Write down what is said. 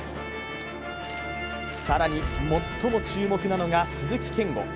更に最も注目なのが鈴木健吾。